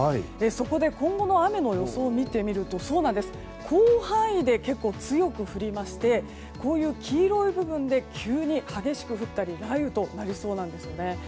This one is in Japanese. そこで、今後の雨の予想を見てみると広範囲で結構強く降りましてこういう黄色い部分で急に激しく降ったり雷雨となりそうなんですよね。